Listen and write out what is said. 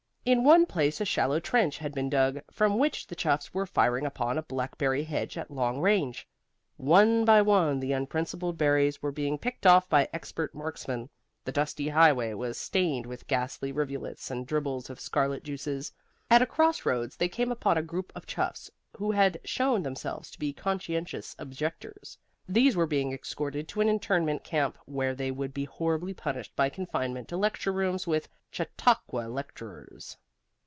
In one place a shallow trench had been dug, from which the chuffs were firing upon a blackberry hedge at long range. One by one the unprincipled berries were being picked off by expert marksmen. The dusty highway was stained with ghastly rivulets and dribbles of scarlet juices. At a crossroads they came upon a group of chuffs who had shown themselves to be conscientious objectors: these were being escorted to an internment camp where they would be horribly punished by confinement to lecture rooms with Chautauqua lecturers.